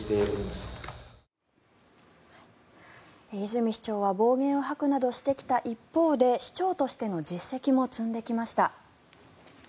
泉市長は暴言を吐くなどしてきた一方で市長としての実績も積んできました。